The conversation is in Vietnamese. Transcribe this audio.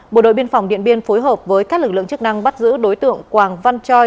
bộ đội biên phòng điện biên phối hợp với các lực lượng chức năng bắt giữ đối tượng quảng văn choi